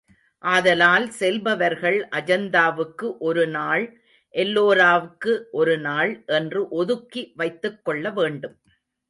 ஆதலால் செல்பவர்கள் அஜந்தாவுக்கு ஒரு நாள், எல்லோராவுக்கு ஒரு நாள் என்று ஒதுக்கி வைத்துக் கொள்ள வேண்டும்.